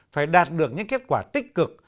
phải đạt được những kết quả tích cực